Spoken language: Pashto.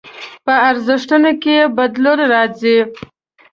په ارزښتونو کې يې بدلون راځي.